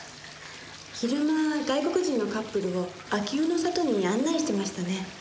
昼間外国人のカップルを秋保の里に案内してましたね。